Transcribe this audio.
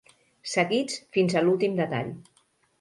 Seguits fins a l'últim detall.